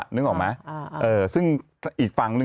นึกออกไหมซึ่งอีกฝั่งนึง